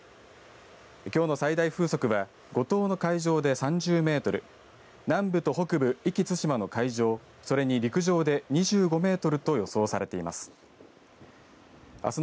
きょうの最大風速は五島の海上で３０メートル、南部と北部、壱岐・対馬の海上、それに陸上で２５メートルと予想されています。